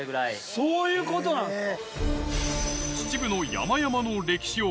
そういうことなんですか。